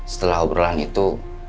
setelah obrolan itu